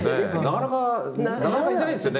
なかなかなかなかいないですよね